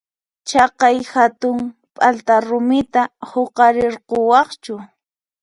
Chaqay hatun p'alta rumita huqarirquwaqchu?